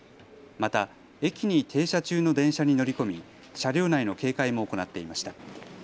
また、駅に停車中の電車に乗り込み車両内の警戒も行っていました。